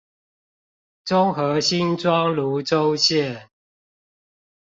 中和新莊蘆洲線